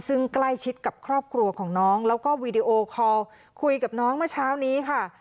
ซึ่งใกล้ชิดกับครอบครัวของน้องแล้วก็วีดีโอคอลคุยกับน้องเมื่อเช้านี้ค่ะ